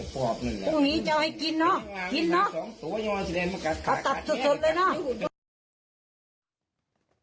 พรุ่งนี้จะเอาให้กินเนอะกินเนอะตับสดเลยนะ